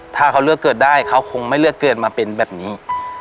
ถ้าเขาเลือกเกิดได้เขาคงไม่เลือกเกิดมาเป็นแบบนี้